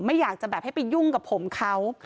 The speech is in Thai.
ไม่อยากจะแบบให้ไปยุ่งกับผมเขา